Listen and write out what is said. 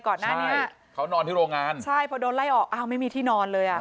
ก่อนหน้านี้เขานอนที่โรงงานใช่พอโดนไล่ออกอ้าวไม่มีที่นอนเลยอ่ะ